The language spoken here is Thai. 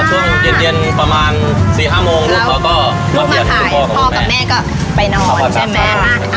ช่วงเย็นเย็นประมาณสี่ห้าโมงลูกเขาก็มาถ่ายพ่อกับแม่ก็ไปนอนใช่ไหม